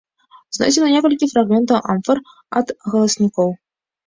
Знойдзена некалькі фрагментаў амфар ад галаснікоў.